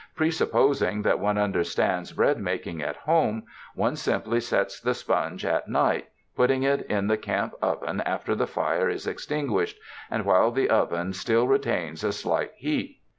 Presupposing that one understands bread mak ing at home, one simply sets the sponge at night, putting it in the camp oven after the fire is extin guished, and while the oven still retains a slight heat.